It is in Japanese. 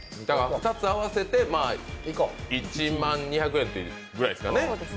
２つ合わせて１万２００円ぐらいですかね。